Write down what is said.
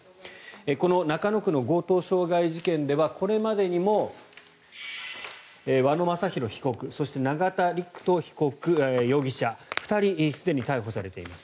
この中野区の強盗傷害事件ではこれまでにも和野正弘被告そして、永田陸人容疑者２人すでに逮捕されています。